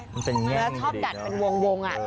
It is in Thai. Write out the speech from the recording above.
มันเป็นแง่งอยู่ตรงนั้นมันชอบกัดเป็นวงอ่ะ